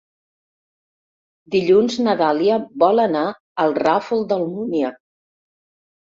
Dilluns na Dàlia vol anar al Ràfol d'Almúnia.